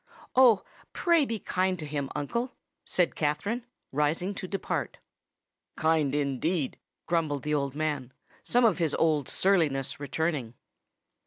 "Oh! pray be kind to him, uncle," said Katherine, rising to depart. "Kind indeed!" grumbled the man, some of his old surliness returning.